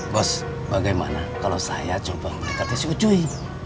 bos bagaimana kalau saya coba mengikatnya si ucuy